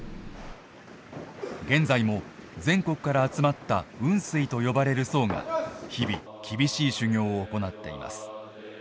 現在も全国から集まった雲水と呼ばれる僧が日々、厳しい修行を行っています。